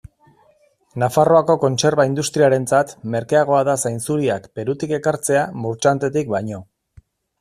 Nafarroako kontserba industriarentzat merkeagoa da zainzuriak Perutik ekartzea Murchantetik baino.